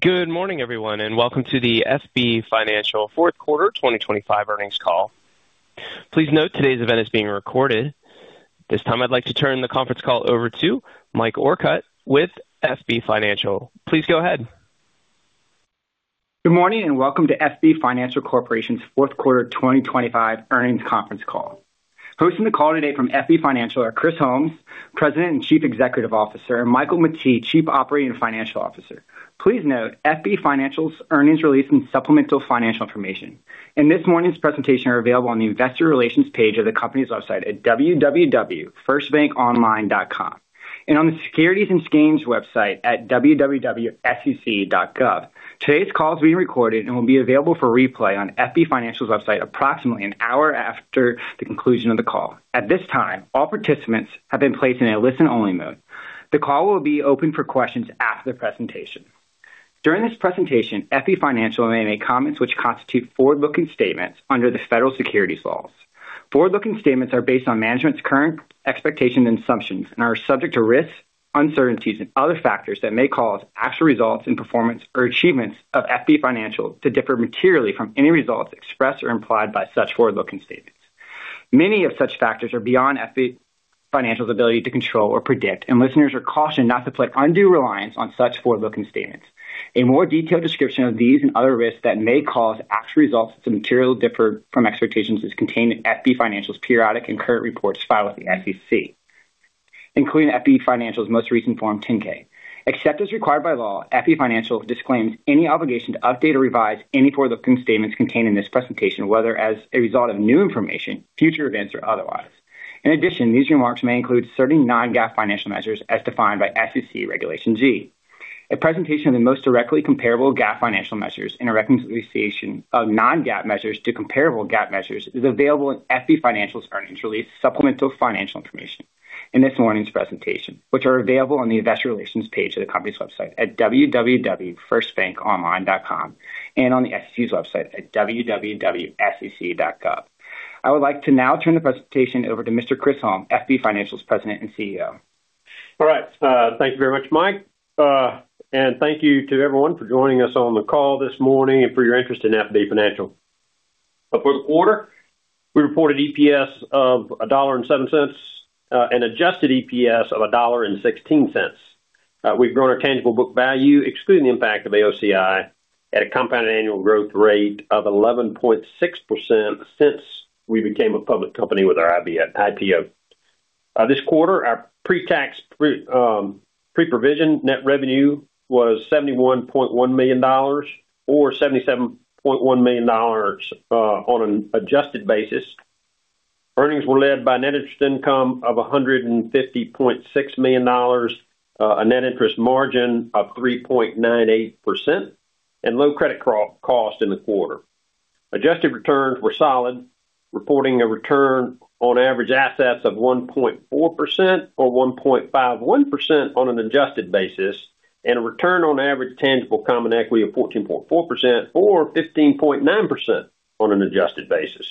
Good morning, everyone, and welcome to the FB Financial Fourth Quarter 2025 earnings call. Please note today's event is being recorded. This time, I'd like to turn the conference call over to Mike Orcutt with FB Financial. Please go ahead. Good morning and welcome to FB Financial Corporation's Fourth Quarter 2025 earnings conference call. Hosting the call today from FB Financial are Chris Holmes, President and Chief Executive Officer, and Michael Mettee, Chief Operating and Financial Officer. Please note FB Financial's earnings release and supplemental financial information, and this morning's presentations are available on the Investor Relations page of the company's website at www.firstbankonline.com and on the Securities and Exchange Commission website at www.sec.gov. Today's call is being recorded and will be available for replay on FB Financial's website approximately an hour after the conclusion of the call. At this time, all participants have been placed in a listen-only mode. The call will be open for questions after the presentation. During this presentation, FB Financial may make comments which constitute forward-looking statements under the federal securities laws. Forward-looking statements are based on management's current expectations and assumptions and are subject to risks, uncertainties, and other factors that may cause actual results and performance or achievements of FB Financial to differ materially from any results expressed or implied by such forward-looking statements. Many of such factors are beyond FB Financial's ability to control or predict, and listeners are cautioned not to place undue reliance on such forward-looking statements. A more detailed description of these and other risks that may cause actual results to materially differ from expectations is contained in FB Financial's periodic and current reports filed with the SEC, including FB Financial's most recent Form 10-K. Except as required by law, FB Financial disclaims any obligation to update or revise any forward-looking statements contained in this presentation, whether as a result of new information, future events, or otherwise. In addition, these remarks may include certain non-GAAP financial measures as defined by SEC Regulation G. A presentation of the most directly comparable GAAP financial measures and a reconciliation of non-GAAP measures to comparable GAAP measures is available in FB Financial's earnings release supplemental financial information in this morning's presentation, which are available on the Investor Relations page of the company's website at www.firstbankonline.com and on the SEC's website at www.sec.gov. I would like to now turn the presentation over to Mr. Chris Holmes, FB Financial's President and CEO. All right. Thank you very much, Mike. And thank you to everyone for joining us on the call this morning and for your interest in FB Financial. For the quarter, we reported EPS of $1.07 and adjusted EPS of $1.16. We've grown our tangible book value, excluding the impact of AOCI, at a compounded annual growth rate of 11.6% since we became a public company with our IPO. This quarter, our pre-tax pre-provision net revenue was $71.1 million or $77.1 million on an adjusted basis. Earnings were led by net interest income of $150.6 million, a net interest margin of 3.98%, and low credit cost in the quarter. Adjusted returns were solid, reporting a return on average assets of 1.4% or 1.51% on an adjusted basis, and a return on average tangible common equity of 14.4% or 15.9% on an adjusted basis.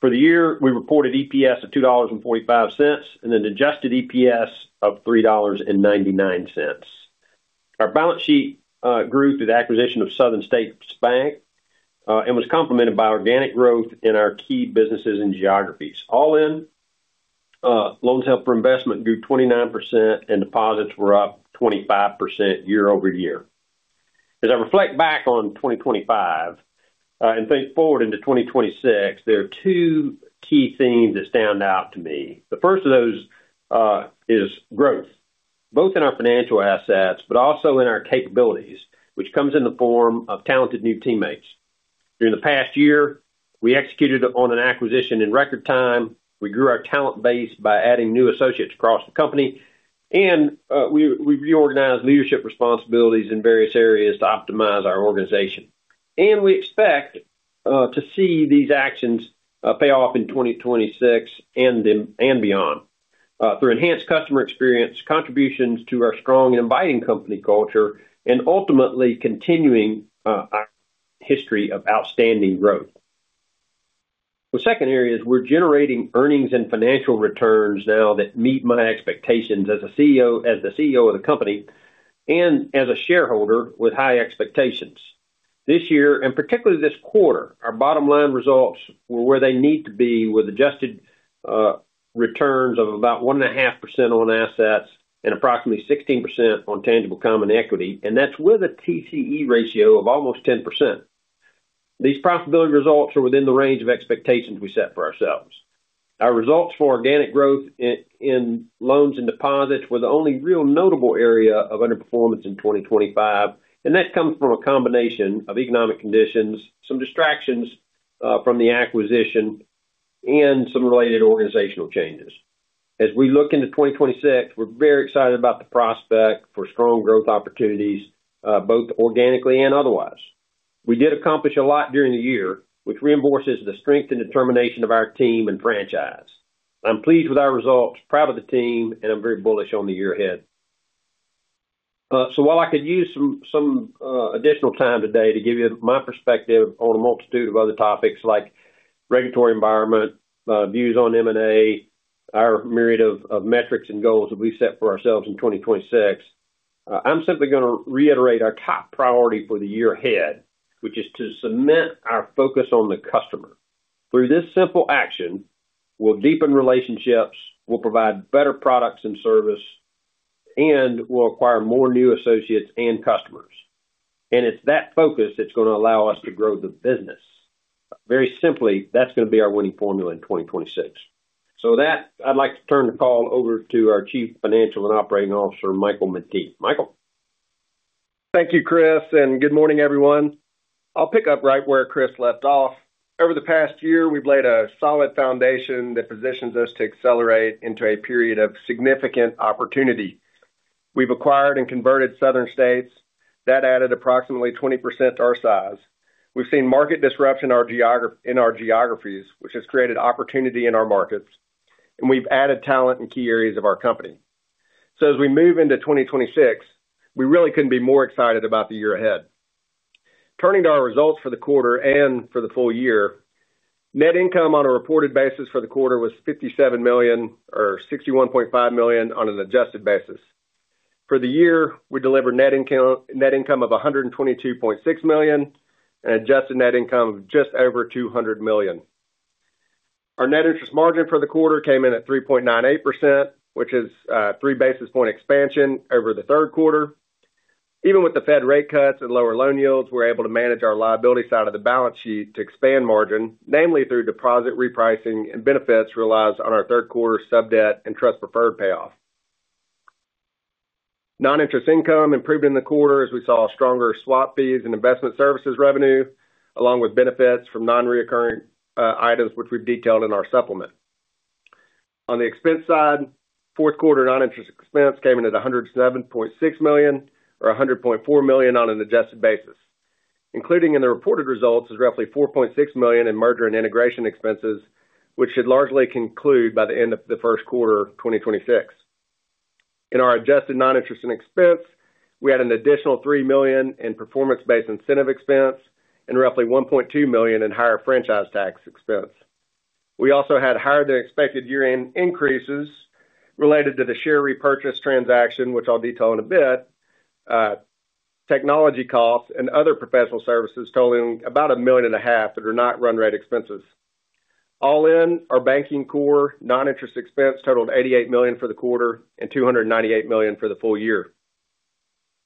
For the year, we reported EPS of $2.45 and an adjusted EPS of $3.99. Our balance sheet grew through the acquisition of Southern States Bank and was complemented by organic growth in our key businesses and geographies. All in, loans held for investment grew 29%, and deposits were up 25% year over year. As I reflect back on 2025 and think forward into 2026, there are two key themes that stand out to me. The first of those is growth, both in our financial assets but also in our capabilities, which comes in the form of talented new teammates. During the past year, we executed on an acquisition in record time. We grew our talent base by adding new associates across the company, and we reorganized leadership responsibilities in various areas to optimize our organization. We expect to see these actions pay off in 2026 and beyond through enhanced customer experience, contributions to our strong and inviting company culture, and ultimately continuing our history of outstanding growth. The second area is we're generating earnings and financial returns now that meet my expectations as the CEO of the company and as a shareholder with high expectations. This year, and particularly this quarter, our bottom-line results were where they need to be with adjusted returns of about 1.5% on assets and approximately 16% on tangible common equity, and that's with a TCE ratio of almost 10%. These profitability results are within the range of expectations we set for ourselves. Our results for organic growth in loans and deposits were the only real notable area of underperformance in 2025, and that comes from a combination of economic conditions, some distractions from the acquisition, and some related organizational changes. As we look into 2026, we're very excited about the prospect for strong growth opportunities, both organically and otherwise. We did accomplish a lot during the year, which reinforces the strength and determination of our team and franchise. I'm pleased with our results, proud of the team, and I'm very bullish on the year ahead. So while I could use some additional time today to give you my perspective on a multitude of other topics like regulatory environment, views on M&A, our myriad of metrics and goals that we've set for ourselves in 2026, I'm simply going to reiterate our top priority for the year ahead, which is to cement our focus on the customer. Through this simple action, we'll deepen relationships, we'll provide better products and service, and we'll acquire more new associates and customers. And it's that focus that's going to allow us to grow the business. Very simply, that's going to be our winning formula in 2026. So with that, I'd like to turn the call over to our Chief Financial and Operating Officer, Michael Mettee. Michael. Thank you, Chris, and good morning, everyone. I'll pick up right where Chris left off. Over the past year, we've laid a solid foundation that positions us to accelerate into a period of significant opportunity. We've acquired and converted Southern States. That added approximately 20% to our size. We've seen market disruption in our geographies, which has created opportunity in our markets, and we've added talent in key areas of our company. So as we move into 2026, we really couldn't be more excited about the year ahead. Turning to our results for the quarter and for the full year, net income on a reported basis for the quarter was $57 million or $61.5 million on an adjusted basis. For the year, we delivered net income of $122.6 million and adjusted net income of just over $200 million. Our net interest margin for the quarter came in at 3.98%, which is three basis points expansion over the third quarter. Even with the Fed rate cuts and lower loan yields, we're able to manage our liability side of the balance sheet to expand margin, namely through deposit repricing and benefits realized on our third quarter sub-debt and trust preferred payoff. Non-interest income improved in the quarter as we saw stronger swap fees and investment services revenue, along with benefits from non-recurring items, which we've detailed in our supplement. On the expense side, fourth quarter non-interest expense came in at $107.6 million or $100.4 million on an adjusted basis. Including in the reported results is roughly $4.6 million in merger and integration expenses, which should largely conclude by the end of the first quarter of 2026. In our adjusted non-interest expense, we had an additional $3 million in performance-based incentive expense and roughly $1.2 million in higher franchise tax expense. We also had higher-than-expected year-end increases related to the share repurchase transaction, which I'll detail in a bit, technology costs, and other professional services totaling about $1.5 million that are not run rate expenses. All in, our banking core non-interest expense totaled $88 million for the quarter and $298 million for the full year.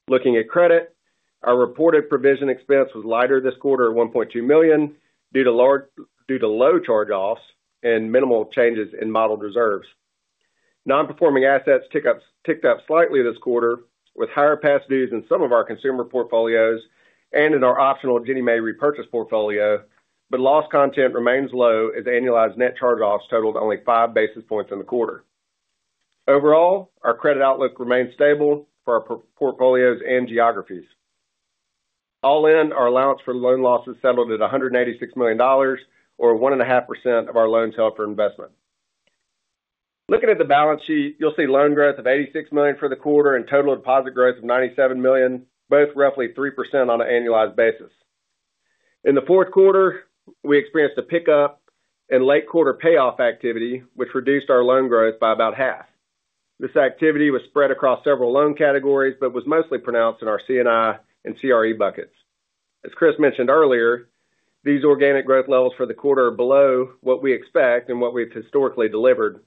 Looking at credit, our reported provision expense was lighter this quarter at $1.2 million due to low charge-offs and minimal changes in model reserves. Non-performing assets ticked up slightly this quarter, with higher past dues in some of our consumer portfolios and in our optional Ginnie Mae repurchase portfolio, but loss content remains low as annualized net charge-offs totaled only five basis points in the quarter. Overall, our credit outlook remains stable for our portfolios and geographies. All in, our allowance for loan losses settled at $186 million or 1.5% of our loans held for investment. Looking at the balance sheet, you'll see loan growth of $86 million for the quarter and total deposit growth of $97 million, both roughly 3% on an annualized basis. In the fourth quarter, we experienced a pickup in late quarter payoff activity, which reduced our loan growth by about half. This activity was spread across several loan categories but was mostly pronounced in our C&I and CRE buckets. As Chris mentioned earlier, these organic growth levels for the quarter are below what we expect and what we've historically delivered.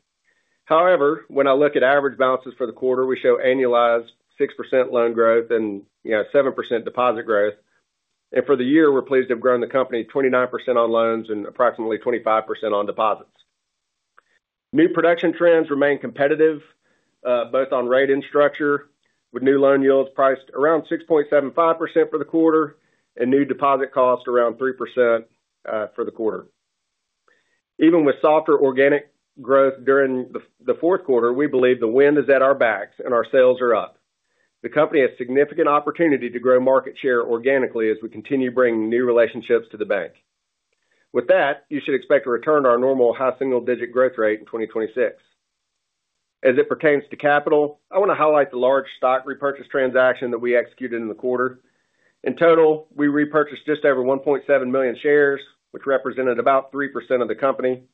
However, when I look at average balances for the quarter, we show annualized 6% loan growth and 7% deposit growth. And for the year, we're pleased to have grown the company 29% on loans and approximately 25% on deposits. New production trends remain competitive, both on rate and structure, with new loan yields priced around 6.75% for the quarter and new deposit costs around 3% for the quarter. Even with softer organic growth during the fourth quarter, we believe the wind is at our backs and our sales are up. The company has significant opportunity to grow market share organically as we continue bringing new relationships to the bank. With that, you should expect a return to our normal high single-digit growth rate in 2026. As it pertains to capital, I want to highlight the large stock repurchase transaction that we executed in the quarter. In total, we repurchased just over 1.7 million shares, which represented about 3% of the company.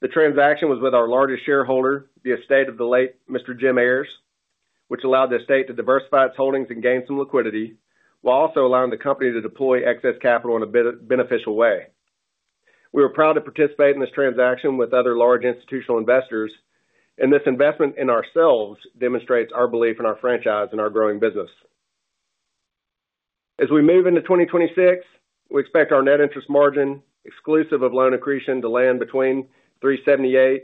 The transaction was with our largest shareholder, the estate of the late Mr. Jim Ayers, which allowed the estate to diversify its holdings and gain some liquidity while also allowing the company to deploy excess capital in a beneficial way. We were proud to participate in this transaction with other large institutional investors, and this investment in ourselves demonstrates our belief in our franchise and our growing business. As we move into 2026, we expect our net interest margin, exclusive of loan accretion, to land between 3.78%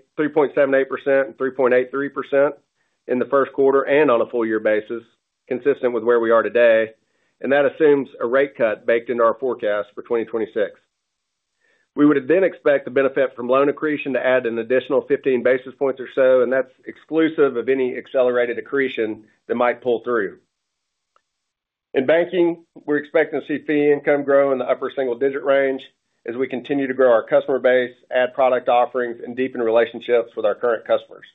and 3.83% in the first quarter and on a full-year basis, consistent with where we are today. And that assumes a rate cut baked into our forecast for 2026. We would then expect the benefit from loan accretion to add an additional 15 basis points or so, and that's exclusive of any accelerated accretion that might pull through. In banking, we're expecting to see fee income grow in the upper single-digit range as we continue to grow our customer base, add product offerings, and deepen relationships with our current customers.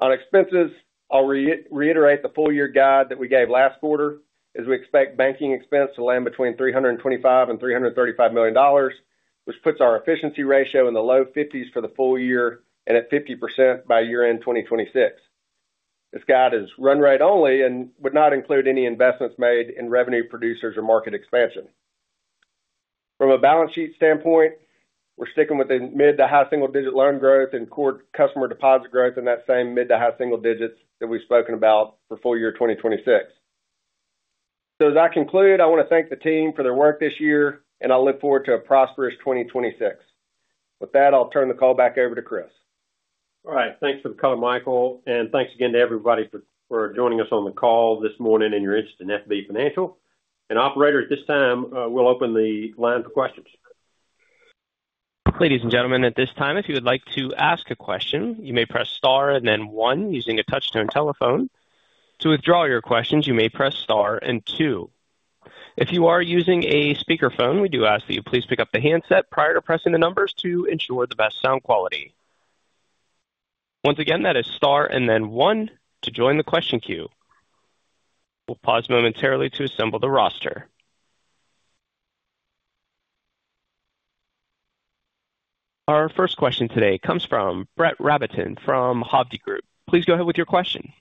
On expenses, I'll reiterate the full-year guide that we gave last quarter as we expect banking expense to land between $325 and $335 million, which puts our efficiency ratio in the low 50s for the full year and at 50% by year-end 2026. This guide is run rate only and would not include any investments made in revenue producers or market expansion. From a balance sheet standpoint, we're sticking with the mid to high single-digit loan growth and core customer deposit growth in that same mid to high single digits that we've spoken about for full-year 2026. So as I conclude, I want to thank the team for their work this year, and I'll look forward to a prosperous 2026. With that, I'll turn the call back over to Chris. All right. Thanks for the call, Michael. And thanks again to everybody for joining us on the call this morning and your interest in FB Financial. And operator, at this time, we'll open the line for questions. Ladies and gentlemen, at this time, if you would like to ask a question, you may press star and then one using a touch-tone telephone. To withdraw your questions, you may press star and two. If you are using a speakerphone, we do ask that you please pick up the handset prior to pressing the numbers to ensure the best sound quality. Once again, that is star and then one to join the question queue. We'll pause momentarily to assemble the roster. Our first question today comes from Brett Rabatin from Hovde Group. Please go ahead with your question.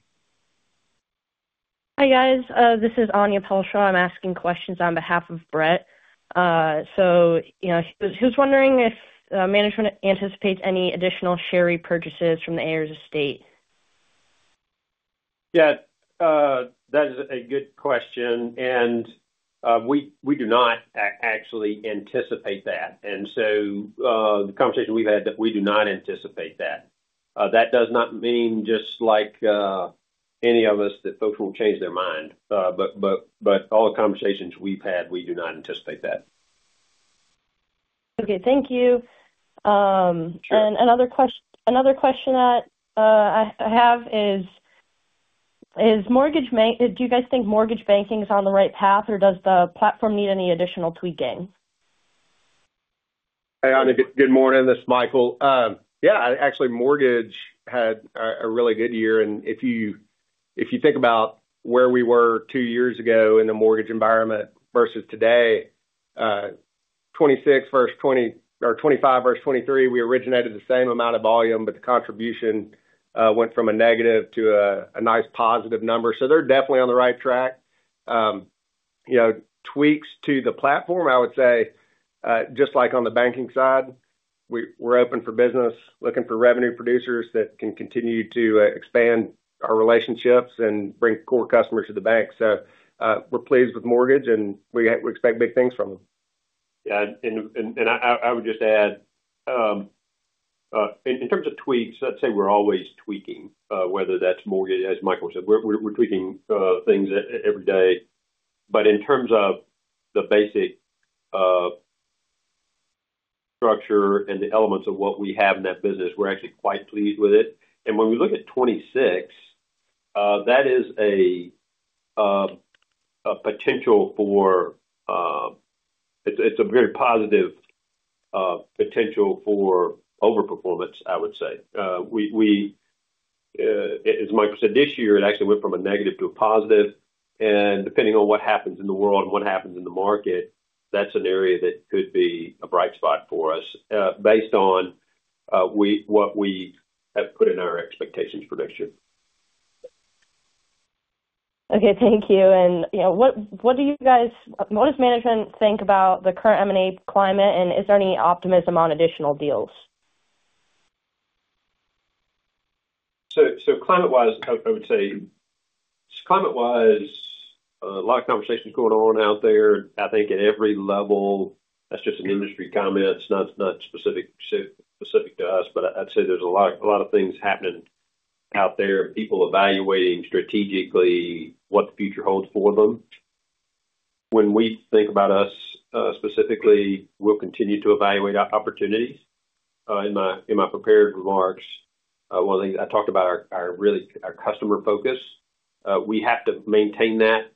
Hi, guys. This is Anya Pelshaw. I'm asking questions on behalf of Brett. So he was wondering if management anticipates any additional share repurchases from the Ayers estate? Yeah, that is a good question. And we do not actually anticipate that. And so the conversation we've had, we do not anticipate that. That does not mean just like any of us that folks will change their mind. But all the conversations we've had, we do not anticipate that. Okay. Thank you, and another question that I have is, do you guys think mortgage banking is on the right path, or does the platform need any additional tweaking? Hi, Anya. Good morning. This is Michael. Yeah, actually, mortgage had a really good year, and if you think about where we were two years ago in the mortgage environment versus today, 2026 versus 2025 versus 2023, we originated the same amount of volume, but the contribution went from a negative to a nice positive number, so they're definitely on the right track. Tweaks to the platform, I would say, just like on the banking side, we're open for business, looking for revenue producers that can continue to expand our relationships and bring core customers to the bank, so we're pleased with mortgage, and we expect big things from them. Yeah. And I would just add, in terms of tweaks, let's say we're always tweaking, whether that's mortgage, as Michael said, we're tweaking things every day. But in terms of the basic structure and the elements of what we have in that business, we're actually quite pleased with it. And when we look at 2026, that is a potential for it's a very positive potential for overperformance, I would say. As Michael said, this year, it actually went from a negative to a positive. And depending on what happens in the world and what happens in the market, that's an area that could be a bright spot for us based on what we have put in our expectations for next year. Okay. Thank you. And what does management think about the current M&A climate, and is there any optimism on additional deals? So, climate-wise, I would say, climate-wise, a lot of conversations going on out there. I think at every level, that's just an industry comment, not specific to us. But I'd say there's a lot of things happening out there, people evaluating strategically what the future holds for them. When we think about us specifically, we'll continue to evaluate opportunities. In my prepared remarks, one of the things I talked about are really our customer focus. We have to maintain that,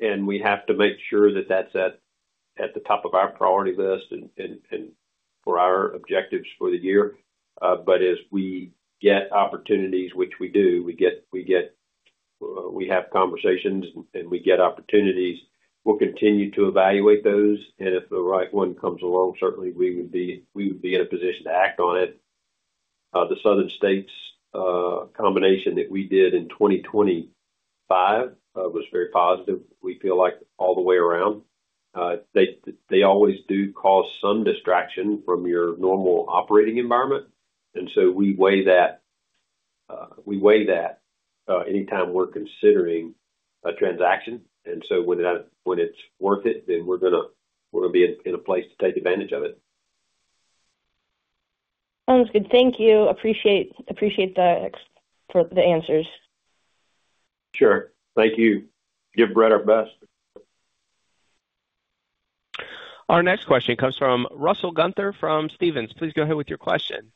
and we have to make sure that that's at the top of our priority list and for our objectives for the year. But as we get opportunities, which we do, we have conversations and we get opportunities, we'll continue to evaluate those. And if the right one comes along, certainly, we would be in a position to act on it. The Southern States combination that we did in 2025 was very positive. We feel like all the way around. They always do cause some distraction from your normal operating environment. And so we weigh that anytime we're considering a transaction. And so when it's worth it, then we're going to be in a place to take advantage of it. Sounds good. Thank you. Appreciate the answers. Sure. Thank you. Give Brett our best. Our next question comes from Russell Gunther from Stephens. Please go ahead with your question.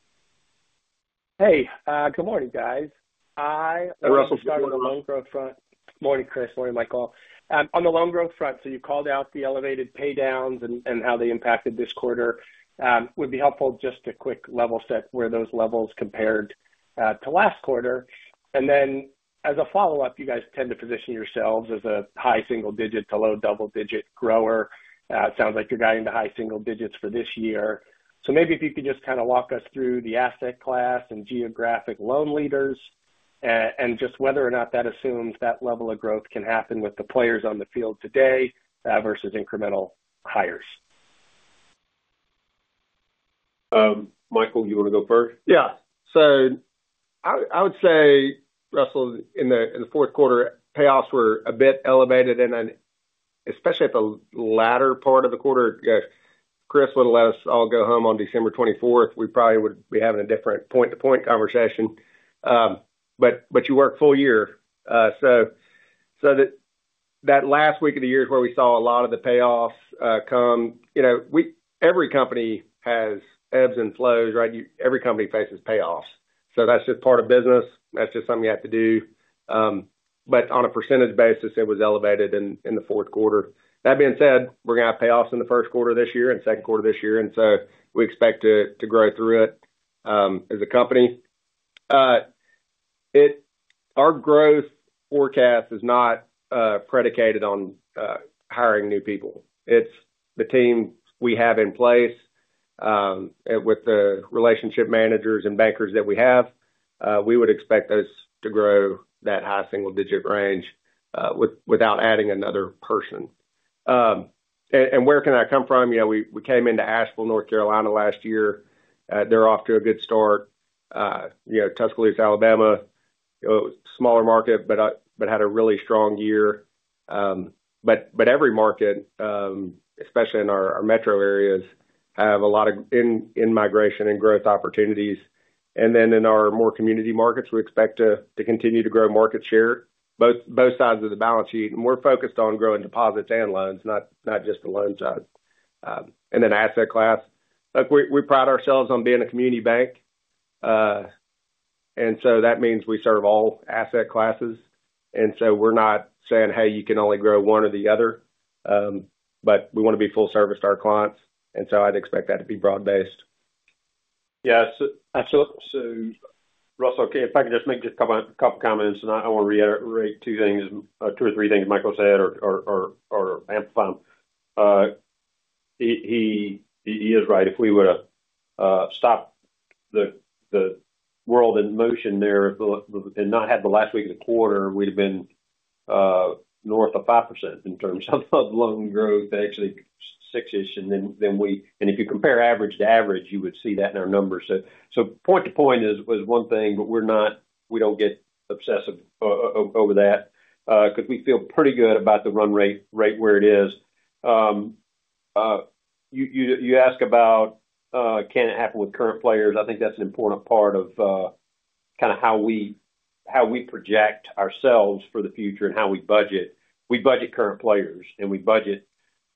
Hey. Good morning, guys. I am on the loan growth front. Hey, Russell. Good morning, Chris. Morning, Michael. On the loan growth front, so you called out the elevated paydowns and how they impacted this quarter. It would be helpful just to quick level set where those levels compared to last quarter. And then as a follow-up, you guys tend to position yourselves as a high single-digit to low double-digit grower. It sounds like you're guiding to high single digits for this year. So maybe if you could just kind of walk us through the asset class and geographic loan leaders and just whether or not that assumes that level of growth can happen with the players on the field today versus incremental hires. Michael, you want to go first? Yeah. So I would say, Russell, in the fourth quarter, payoffs were a bit elevated, and especially at the latter part of the quarter. Chris would have let us all go home on December 24th. We probably would be having a different point-to-point conversation. But you work full year. So that last week of the year is where we saw a lot of the payoffs come. Every company has ebbs and flows, right? Every company faces payoffs. So that's just part of business. That's just something you have to do. But on a percentage basis, it was elevated in the fourth quarter. That being said, we're going to have payoffs in the first quarter of this year and second quarter of this year. And so we expect to grow through it as a company. Our growth forecast is not predicated on hiring new people. It's the team we have in place with the relationship managers and bankers that we have. We would expect those to grow that high single-digit range without adding another person. And where can it come from? We came into Asheville, North Carolina, last year. They're off to a good start. Tuscaloosa, Alabama, smaller market, but had a really strong year. But every market, especially in our metro areas, have a lot of in-migration and growth opportunities. And then in our more community markets, we expect to continue to grow market share, both sides of the balance sheet. And we're focused on growing deposits and loans, not just the loan side. And then asset class, we pride ourselves on being a community bank. And so that means we serve all asset classes. And so we're not saying, "Hey, you can only grow one or the other." But we want to be full-service to our clients. And so I'd expect that to be broad-based. Yeah. So, Russell, if I could just make a couple of comments, and I want to reiterate two or three things Michael said or amplify them. He is right. If we were to stop the world in motion there and not have the last week of the quarter, we'd have been north of 5% in terms of loan growth, actually 6-ish. And if you compare average to average, you would see that in our numbers. So point-to-point is one thing, but we don't get obsessive over that because we feel pretty good about the run rate where it is. You ask about can it happen with current players. I think that's an important part of kind of how we project ourselves for the future and how we budget. We budget current players, and we budget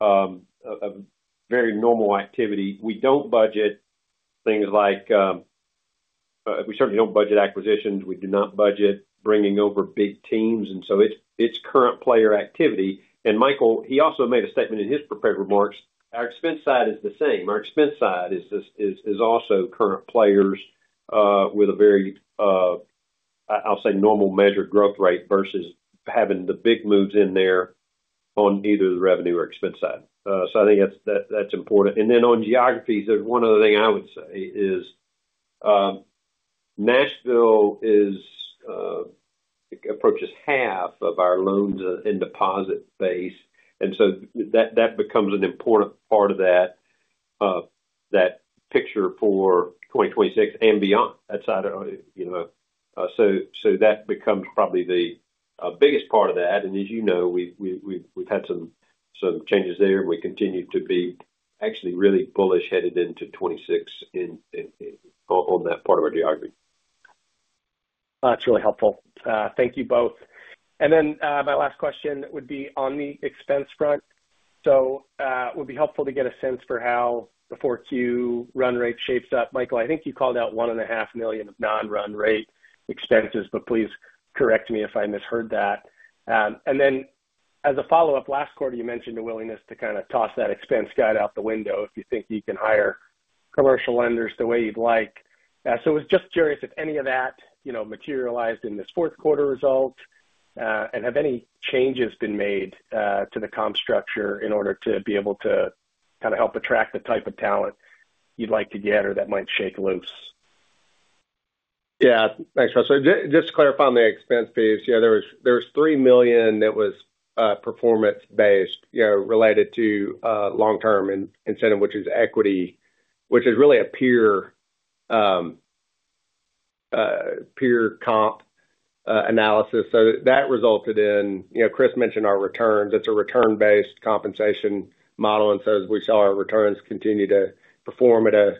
very normal activity. We don't budget things like we certainly don't budget acquisitions. We do not budget bringing over big teams, and so it's current player activity. Michael also made a statement in his prepared remarks. Our expense side is the same. Our expense side is also current players with a very, I'll say, normal measured growth rate versus having the big moves in there on either the revenue or expense side. I think that's important. Then on geographies, there's one other thing I would say is Nashville approaches half of our loans and deposit base. That becomes an important part of that picture for 2026 and beyond. That becomes probably the biggest part of that. As you know, we've had some changes there, and we continue to be actually really bullish headed into 2026 on that part of our geography. That's really helpful. Thank you both. And then my last question would be on the expense front. So it would be helpful to get a sense for how the fourth quarter run rate shapes up. Michael, I think you called out $1.5 million of non-run rate expenses, but please correct me if I misheard that. And then as a follow-up, last quarter, you mentioned a willingness to kind of toss that expense guide out the window if you think you can hire commercial lenders the way you'd like. So I was just curious if any of that materialized in this fourth-quarter result, and have any changes been made to the comp structure in order to be able to kind of help attract the type of talent you'd like to get or that might shake loose? Yeah. Thanks, Russell. Just to clarify on the expense piece, there was $3 million that was performance-based related to long-term incentive, which is equity, which is really a peer comp analysis. So that resulted in Chris mentioned our returns. It's a return-based compensation model. And so as we saw our returns continue to perform at a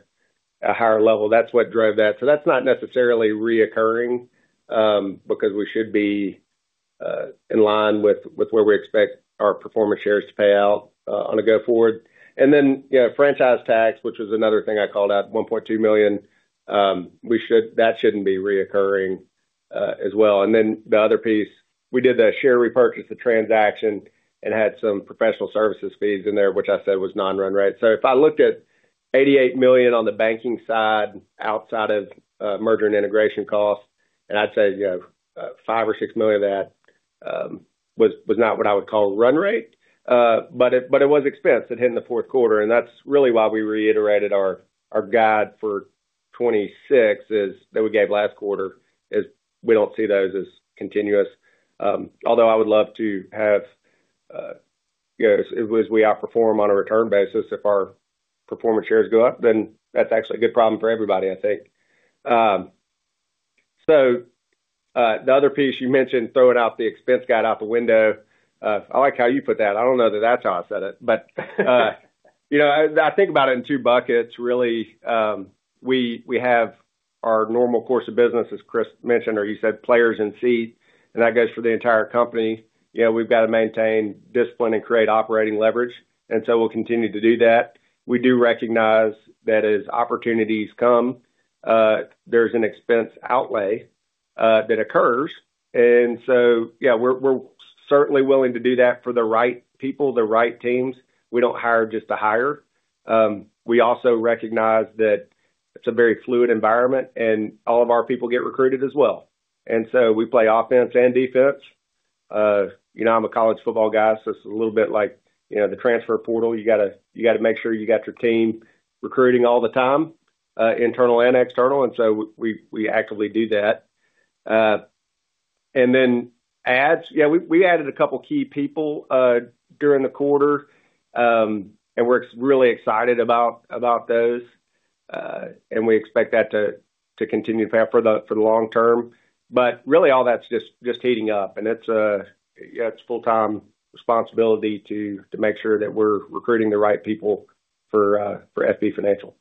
higher level, that's what drove that. So that's not necessarily recurring because we should be in line with where we expect our performance shares to pay out on a go-forward. And then franchise tax, which was another thing I called out, $1.2 million, that shouldn't be recurring as well. And then the other piece, we did the share repurchase transaction and had some professional services fees in there, which I said was non-run rate. So if I looked at $88 million on the banking side outside of merger and integration costs, and I'd say $5 million or $6 million of that was not what I would call run rate, but it was expense. It hit in the fourth quarter. And that's really why we reiterated our guide for 2026 that we gave last quarter is we don't see those as continuous. Although I would love to have as we outperform on a return basis, if our performance shares go up, then that's actually a good problem for everybody, I think. So the other piece you mentioned, throwing out the expense guide out the window. I like how you put that. I don't know that that's how I said it. But I think about it in two buckets. Really, we have our normal course of business, as Chris mentioned, or you said players in seat, and that goes for the entire company. We've got to maintain discipline and create operating leverage, and so we'll continue to do that. We do recognize that as opportunities come, there's an expense outlay that occurs, and so, yeah, we're certainly willing to do that for the right people, the right teams. We don't hire just to hire. We also recognize that it's a very fluid environment, and all of our people get recruited as well, and so we play offense and defense. I'm a college football guy, so it's a little bit like the transfer portal. You got to make sure you got your team recruiting all the time, internal and external, and so we actively do that. And then adds, yeah, we added a couple of key people during the quarter, and we're really excited about those. And we expect that to continue to pay out for the long term. But really, all that's just heating up. And it's a full-time responsibility to make sure that we're recruiting the right people for FB Financial.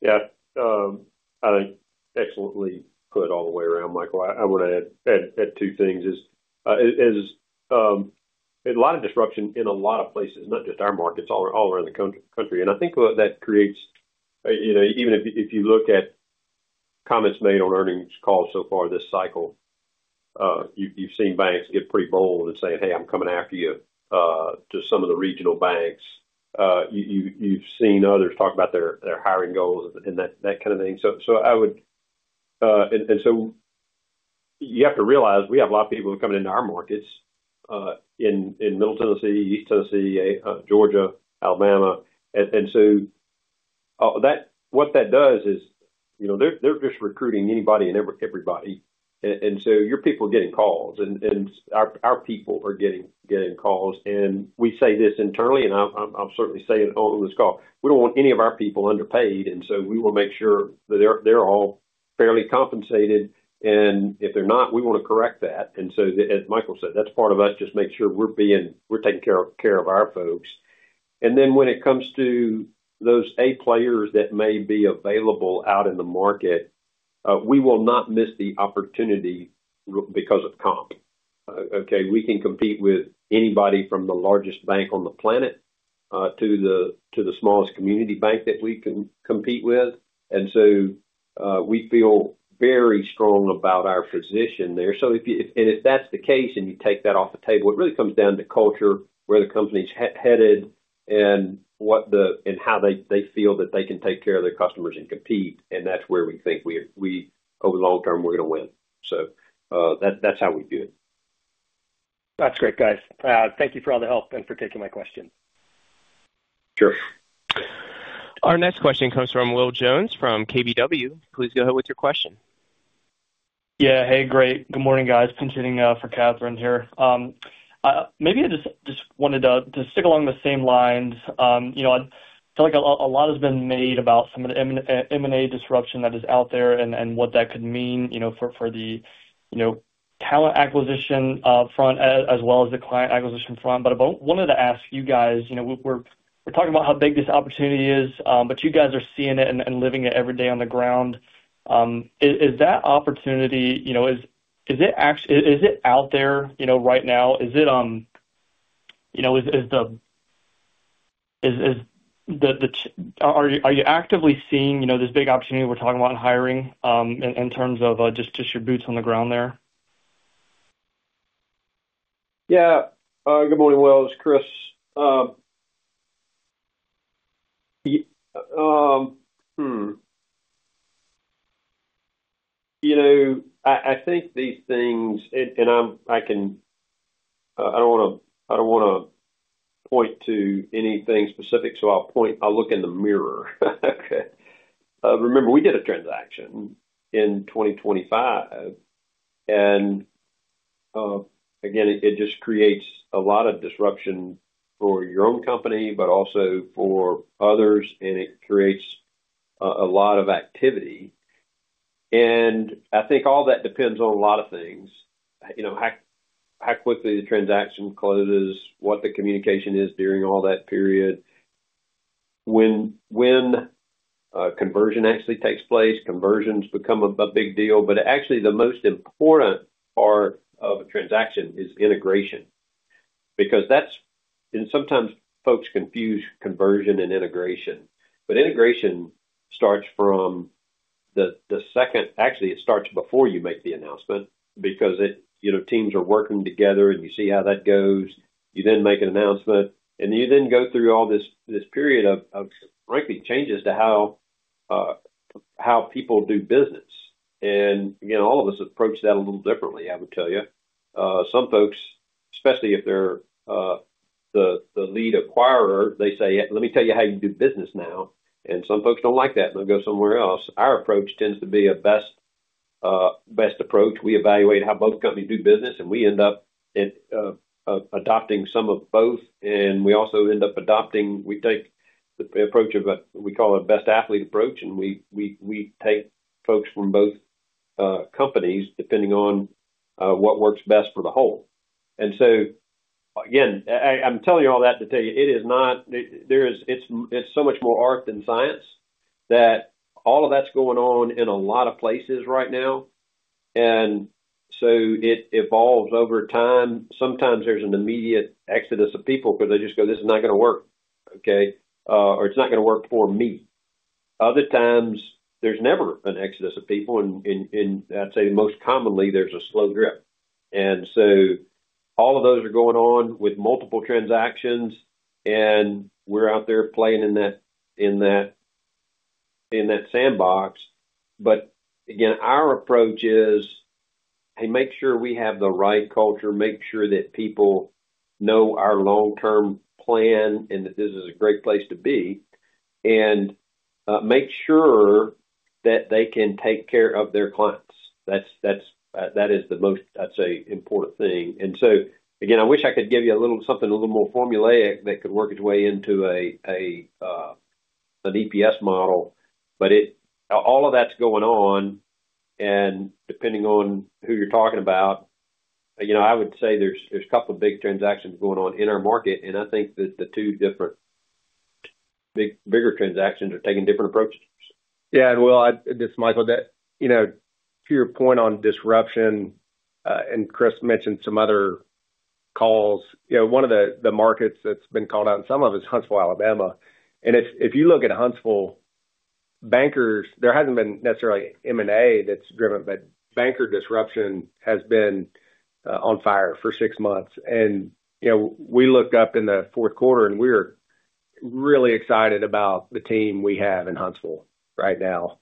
Yeah. I think excellently put all the way around, Michael. I want to add two things. There's a lot of disruption in a lot of places, not just our markets, all around the country. I think that creates even if you look at comments made on earnings calls so far this cycle. You've seen banks get pretty bold and say, "Hey, I'm coming after you," to some of the regional banks. You've seen others talk about their hiring goals and that kind of thing. I would, and so you have to realize we have a lot of people coming into our markets in Middle Tennessee, East Tennessee, Georgia, Alabama. What that does is they're just recruiting anybody and everybody. Your people are getting calls, and our people are getting calls. We say this internally, and I'll certainly say it on this call. We don't want any of our people underpaid. And so we want to make sure that they're all fairly compensated. And if they're not, we want to correct that. And so as Michael said, that's part of us, just make sure we're taking care of our folks. And then when it comes to those A players that may be available out in the market, we will not miss the opportunity because of comp. Okay? We can compete with anybody from the largest bank on the planet to the smallest community bank that we can compete with. And so we feel very strong about our position there. And if that's the case and you take that off the table, it really comes down to culture, where the company's headed, and how they feel that they can take care of their customers and compete. That's where we think over the long term, we're going to win. That's how we do it. That's great, guys. Thank you for all the help and for taking my question. Sure. Our next question comes from Will Jones from KBW. Please go ahead with your question. Yeah. Hey, great. Good morning, guys. Continuing for Catherine here. Maybe I just wanted to stick along the same lines. I feel like a lot has been made about some of the M&A disruption that is out there and what that could mean for the talent acquisition front as well as the client acquisition front. But I wanted to ask you guys, we're talking about how big this opportunity is, but you guys are seeing it and living it every day on the ground. Is that opportunity, is it out there right now? Is it there? Are you actively seeing this big opportunity we're talking about in hiring in terms of just your boots on the ground there? Yeah. Good morning, Will. This is Chris. I think these things, and I don't want to point to anything specific, so I'll look in the mirror. Okay. Remember, we did a transaction in 2025. And again, it just creates a lot of disruption for your own company, but also for others, and it creates a lot of activity, and I think all that depends on a lot of things: how quickly the transaction closes, what the communication is during all that period, when conversion actually takes place. Conversions become a big deal, but actually, the most important part of a transaction is integration. And sometimes folks confuse conversion and integration, but integration starts from the second actually, it starts before you make the announcement because teams are working together, and you see how that goes. You then make an announcement, and you then go through all this period of, frankly, changes to how people do business. And again, all of us approach that a little differently, I would tell you. Some folks, especially if they're the lead acquirer, they say, "Let me tell you how you do business now." And some folks don't like that, and they'll go somewhere else. Our approach tends to be a best approach. We evaluate how both companies do business, and we end up adopting some of both. And we also end up adopting, we take the approach of what we call a best athlete approach, and we take folks from both companies depending on what works best for the whole. And so again, I'm telling you all that to tell you it is not, it's so much more art than science that all of that's going on in a lot of places right now. And so it evolves over time. Sometimes there's an immediate exodus of people because they just go, "This is not going to work," okay, or, "It's not going to work for me." Other times, there's never an exodus of people. And I'd say most commonly, there's a slow drift. And so all of those are going on with multiple transactions, and we're out there playing in that sandbox. But again, our approach is, "Hey, make sure we have the right culture, make sure that people know our long-term plan, and that this is a great place to be, and make sure that they can take care of their clients." That is the most, I'd say, important thing. And so again, I wish I could give you something a little more formulaic that could work its way into an EPS model. But all of that's going on. And depending on who you're talking about, I would say there's a couple of big transactions going on in our market. And I think that the two different bigger transactions are taking different approaches. Yeah. Will, just Michael, to your point on disruption, and Chris mentioned some other calls. One of the markets that's been called out, and some of it is Huntsville, Alabama. If you look at Huntsville bankers, there hasn't been necessarily M&A that's driven, but banker disruption has been on fire for six months. We looked up in the fourth quarter, and we are really excited about the team we have in Huntsville right now.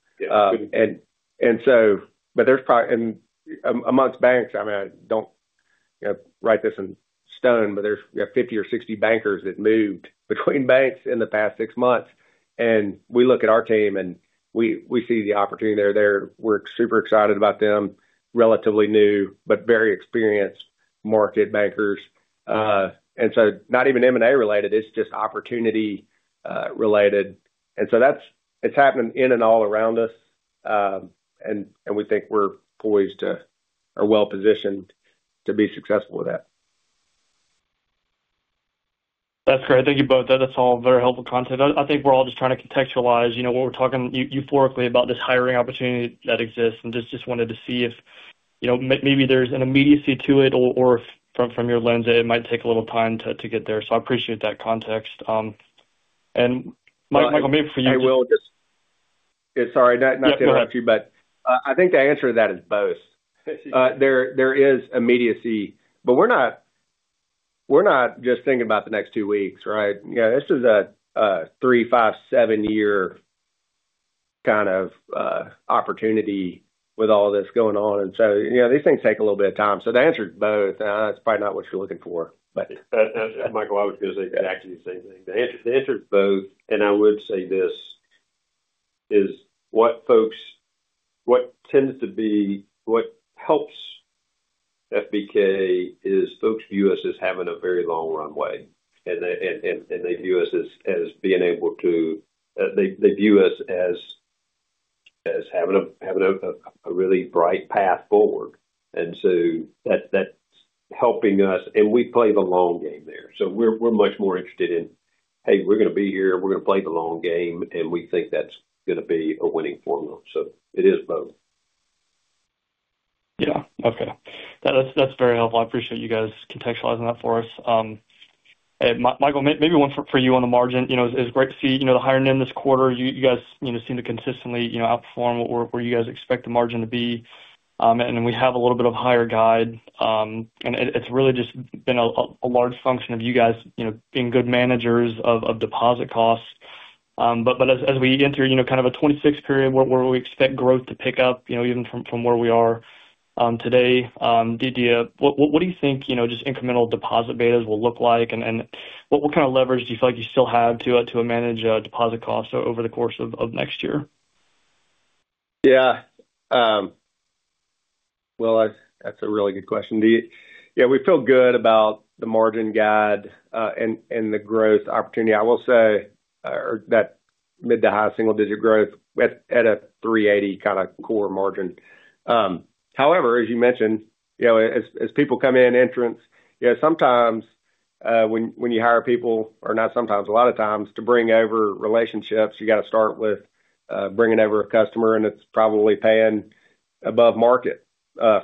So but there's probably amongst banks. I mean, I don't write this in stone, but there's 50 or 60 bankers that moved between banks in the past six months. We look at our team, and we see the opportunity there. We're super excited about them, relatively new, but very experienced market bankers. Not even M&A related, it's just opportunity related. It's happening in and all around us. We think we're poised to or well-positioned to be successful with that. That's great. Thank you both. That's all very helpful content. I think we're all just trying to contextualize what we're talking euphorically about, this hiring opportunity that exists, and just wanted to see if maybe there's an immediacy to it or from your lens that it might take a little time to get there. So I appreciate that context, and Michael, maybe for you. Hey, Will, just sorry not to interrupt you, but I think the answer to that is both. There is immediacy, but we're not just thinking about the next two weeks, right? This is a three, five, seven-year kind of opportunity with all this going on, and so these things take a little bit of time, so the answer is both. That's probably not what you're looking for, but. Michael, I was going to say exactly the same thing. The answer is both. And I would say this is what folks tends to be what helps FBK is folks view us as having a very long runway. And they view us as being able to have a really bright path forward. And so that's helping us. And we play the long game there. So we're much more interested in, "Hey, we're going to be here. We're going to play the long game." And we think that's going to be a winning formula. So it is both. Yeah. Okay. That's very helpful. I appreciate you guys contextualizing that for us. Michael, maybe one for you on the margin. It's great to see the higher in this quarter. You guys seem to consistently outperform where you guys expect the margin to be. And then we have a little bit of higher guide. And it's really just been a large function of you guys being good managers of deposit costs. But as we enter kind of a 2026 period where we expect growth to pick up even from where we are today, what do you think just incremental deposit betas will look like? And what kind of leverage do you feel like you still have to manage deposit costs over the course of next year? Yeah. Well, that's a really good question. Yeah. We feel good about the margin guide and the growth opportunity. I will say that mid- to high single-digit growth at a 380 kind of core margin. However, as you mentioned, as people come in, entrants, sometimes when you hire people, or not sometimes, a lot of times, to bring over relationships, you got to start with bringing over a customer, and it's probably paying above market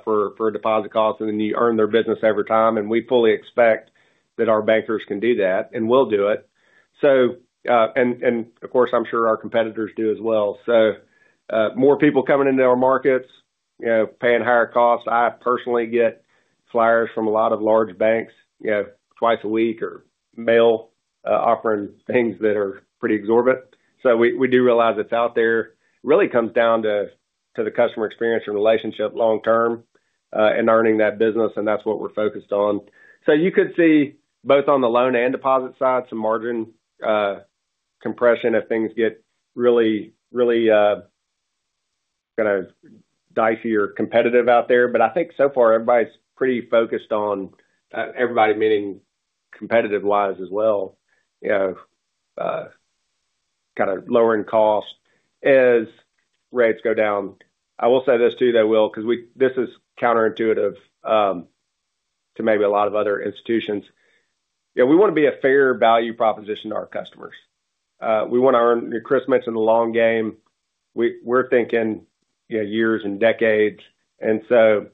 for deposit costs, and then you earn their business over time, and we fully expect that our bankers can do that, and we'll do it, and of course, I'm sure our competitors do as well, so more people coming into our markets, paying higher costs. I personally get flyers from a lot of large banks twice a week or mail offering things that are pretty exorbitant, so we do realize it's out there. It really comes down to the customer experience and relationship long term and earning that business. And that's what we're focused on. So you could see both on the loan and deposit side, some margin compression if things get really, really kind of dicey or competitive out there. But I think so far, everybody's pretty focused on everybody, meaning competitive-wise as well, kind of lowering costs as rates go down. I will say this too, though, Will, because this is counterintuitive to maybe a lot of other institutions. We want to be a fair value proposition to our customers. We want to earn, Chris mentioned, the long game. We're thinking years and decades. And so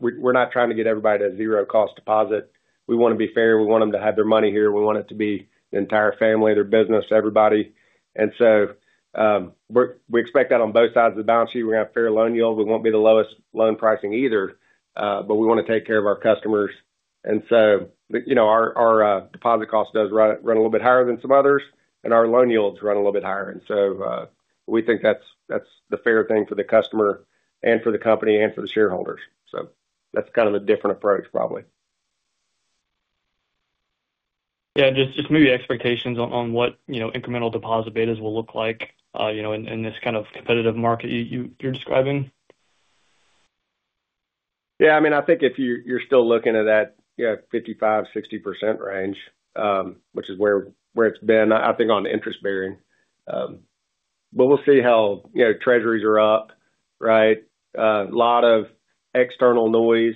we're not trying to get everybody to zero-cost deposit. We want to be fair. We want them to have their money here. We want it to be the entire family, their business, everybody. And so we expect that on both sides of the balance sheet, we're going to have fair loan yield. We won't be the lowest loan pricing either, but we want to take care of our customers. And so our deposit costs do run a little bit higher than some others, and our loan yields run a little bit higher. And so we think that's the fair thing for the customer and for the company and for the shareholders. So that's kind of a different approach, probably. Yeah. Just maybe expectations on what incremental deposit betas will look like in this kind of competitive market you're describing? Yeah. I mean, I think if you're still looking at that 55%-60% range, which is where it's been, I think on interest bearing. But we'll see how treasuries are up, right? A lot of external noise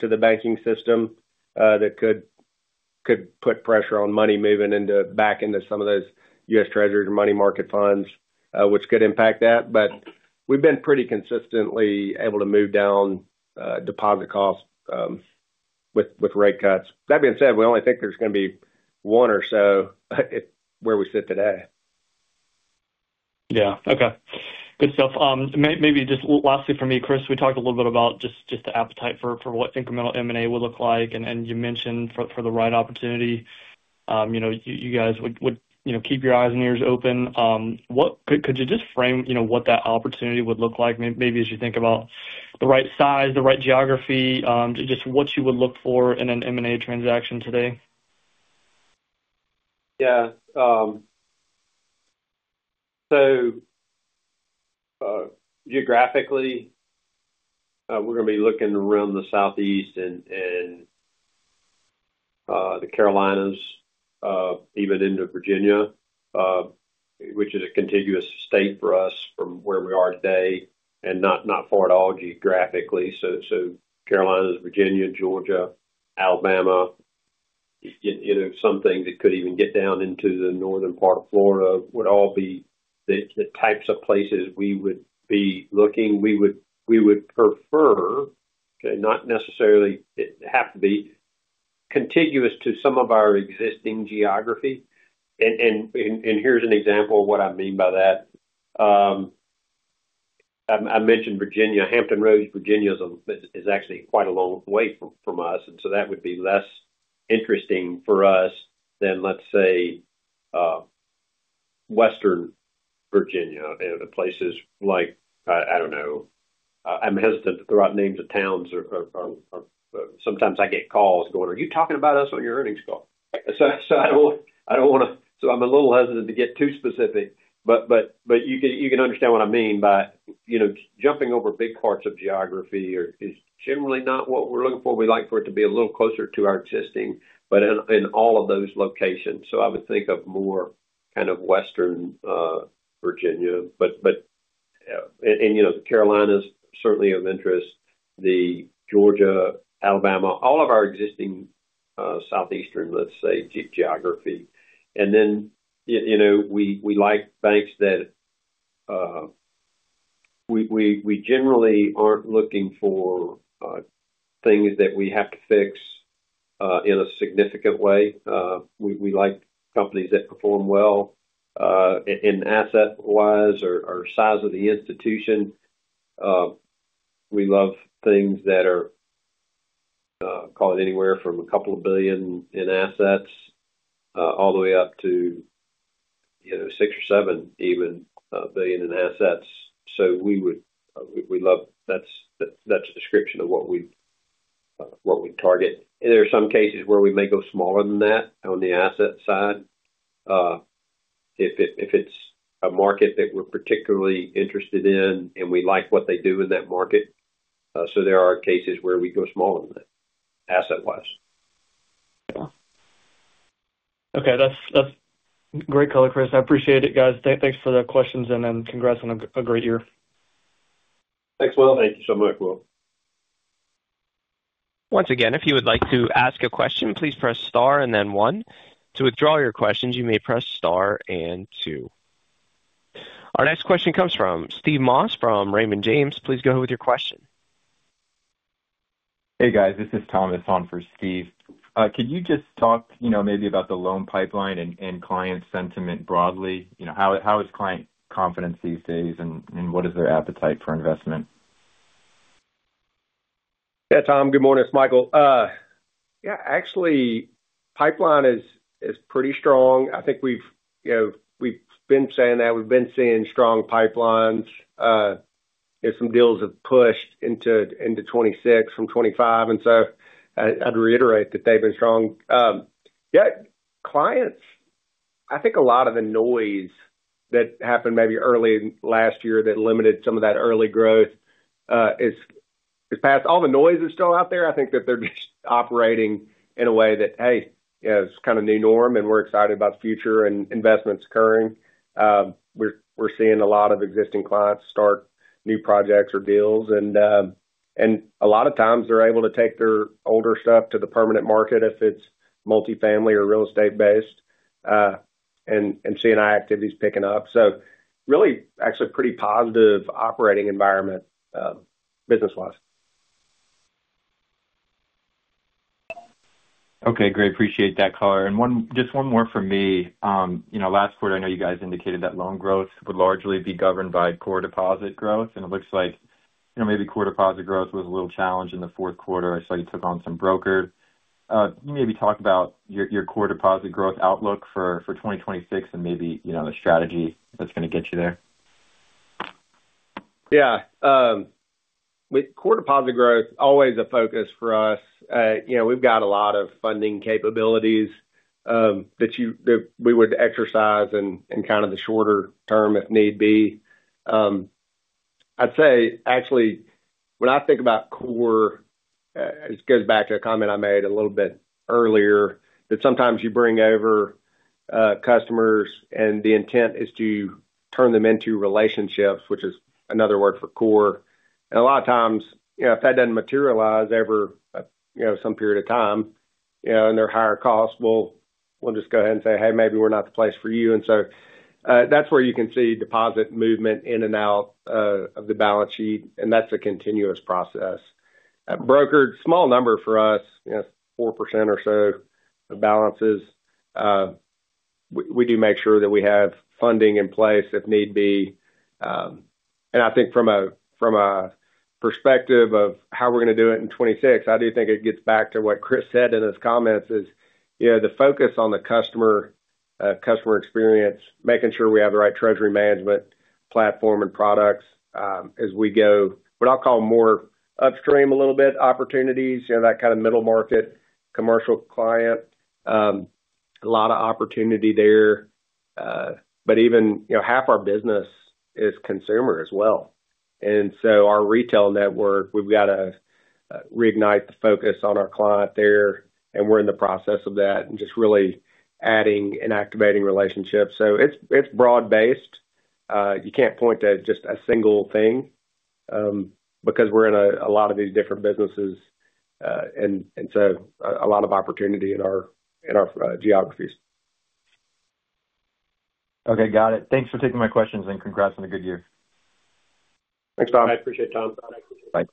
to the banking system that could put pressure on money moving back into some of those U.S. Treasuries or money market funds, which could impact that. But we've been pretty consistently able to move down deposit costs with rate cuts. That being said, we only think there's going to be one or so where we sit today. Yeah. Okay. Good stuff. Maybe just lastly for me, Chris, we talked a little bit about just the appetite for what incremental M&A would look like. And you mentioned for the right opportunity, you guys would keep your eyes and ears open. Could you just frame what that opportunity would look like, maybe as you think about the right size, the right geography, just what you would look for in an M&A transaction today? Yeah. So geographically, we're going to be looking around the Southeast and the Carolinas, even into Virginia, which is a contiguous state for us from where we are today and not far at all geographically. So Carolinas, Virginia, Georgia, Alabama, some things that could even get down into the northern part of Florida would all be the types of places we would be looking. We would prefer, okay, not necessarily it has to be contiguous to some of our existing geography. And here's an example of what I mean by that. I mentioned Virginia. Hampton Roads, Virginia, is actually quite a long way from us. And so that would be less interesting for us than, let's say, western Virginia and places like, I don't know, I'm hesitant to throw out names of towns. Sometimes I get calls going, "Are you talking about us on your earnings call?" So I don't want to, so I'm a little hesitant to get too specific. But you can understand what I mean by jumping over big parts of geography is generally not what we're looking for. We'd like for it to be a little closer to our existing, but in all of those locations. So I would think of more kind of western Virginia. And Carolinas certainly of interest, the Georgia, Alabama, all of our existing Southeastern, let's say, geography. And then we like banks that we generally aren't looking for things that we have to fix in a significant way. We like companies that perform well in asset-wise or size of the institution. We love things that are, call it, anywhere from a couple of billion in assets all the way up to six or seven, even billion in assets. So we love that. That's a description of what we target. There are some cases where we may go smaller than that on the asset side. If it's a market that we're particularly interested in and we like what they do in that market, so there are cases where we go smaller than that asset-wise. Yeah. Okay. That's great color, Chris. I appreciate it, guys. Thanks for the questions, and then congrats on a great year. Thanks, Will. Thank you so much, Will. Once again, if you would like to ask a question, please press star and then one. To withdraw your questions, you may press star and two. Our next question comes from Steve Moss from Raymond James. Please go ahead with your question. Hey, guys. This is Thomas on for Steve. Could you just talk maybe about the loan pipeline and client sentiment broadly? How is client confidence these days, and what is their appetite for investment? Yeah, Tom, good morning. It's Michael. Yeah. Actually, pipeline is pretty strong. I think we've been saying that. We've been seeing strong pipelines. Some deals have pushed into 2026 from 2025. And so I'd reiterate that they've been strong. Yeah. Clients, I think a lot of the noise that happened maybe early last year that limited some of that early growth is past. All the noise is still out there. I think that they're just operating in a way that, hey, it's kind of new norm, and we're excited about the future and investments occurring. We're seeing a lot of existing clients start new projects or deals. And a lot of times, they're able to take their older stuff to the permanent market if it's multifamily or real estate-based and seeing our activities picking up. So really, actually pretty positive operating environment business-wise. Okay. Great. Appreciate that, Color. And just one more for me. Last quarter, I know you guys indicated that loan growth would largely be governed by core deposit growth. And it looks like maybe core deposit growth was a little challenged in the fourth quarter. I saw you took on some broker. Can you maybe talk about your core deposit growth outlook for 2026 and maybe the strategy that's going to get you there? Yeah. Core deposit growth, always a focus for us. We've got a lot of funding capabilities that we would exercise in kind of the shorter term if need be. I'd say, actually, when I think about core, it goes back to a comment I made a little bit earlier, that sometimes you bring over customers, and the intent is to turn them into relationships, which is another word for core. And a lot of times, if that doesn't materialize over some period of time and they're higher cost, we'll just go ahead and say, "Hey, maybe we're not the place for you." And so that's where you can see deposit movement in and out of the balance sheet. And that's a continuous process. Brokers, small number for us, 4% or so of balances. We do make sure that we have funding in place if need be. And I think from a perspective of how we're going to do it in 2026, I do think it gets back to what Chris said in his comments: the focus on the customer experience, making sure we have the right treasury management platform and products as we go, what I'll call more upstream a little bit, opportunities, that kind of middle market commercial client. A lot of opportunity there. But even half our business is consumer as well. And so our retail network, we've got to reignite the focus on our client there. And we're in the process of that and just really adding and activating relationships. So it's broad-based. You can't point to just a single thing because we're in a lot of these different businesses. And so a lot of opportunity in our geographies. Okay. Got it. Thanks for taking my questions and congrats on a good year. Thanks, Tom. I appreciate it, Tom. Thanks.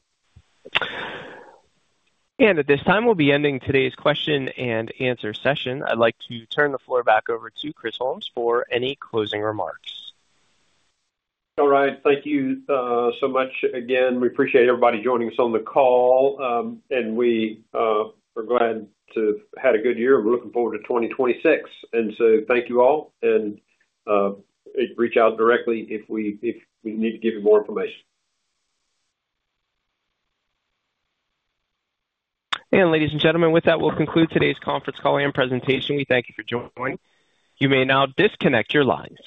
At this time, we'll be ending today's question and answer session. I'd like to turn the floor back over to Chris Holmes for any closing remarks. All right. Thank you so much again. We appreciate everybody joining us on the call, and we are glad to have had a good year. We're looking forward to 2026, and so thank you all, and reach out directly if we need to give you more information. And ladies and gentlemen, with that, we'll conclude today's conference call and presentation. We thank you for joining. You may now disconnect your lines.